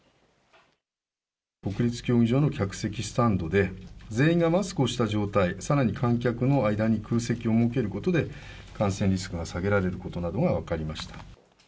国立競技場の客席スタンドで、全員がマスクをした状態、さらに観客の間に空席を設けることで、感染リスクが下げられることなどが分かりました。